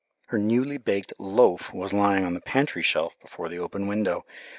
Her newly baked "loaf" was lying on the pantry shelf before the open window.